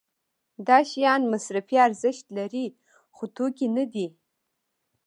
دا شیان مصرفي ارزښت لري خو توکي نه دي.